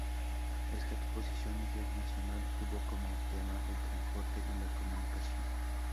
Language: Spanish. Esta exposición internacional tuvo como tema el transporte y la comunicación.